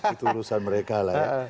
itu urusan mereka lah ya